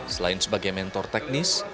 selain sebagai mentor teknis